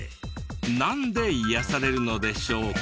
なんで癒やされるのでしょうか？